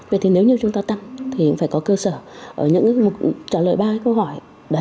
vậy thì nếu như chúng ta tăng thì phải có cơ sở trả lời ba câu hỏi